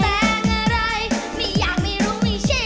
แต่งอะไรไม่อยากไม่รู้ไม่ใช่